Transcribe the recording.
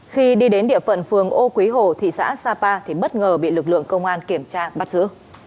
khi đi đến địa phận phường ô quý hồ thị xã sapa thì bất ngờ bị lực lượng công an kiểm tra bắt giữ